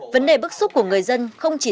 vấn đề bức xúc của người dân không chỉ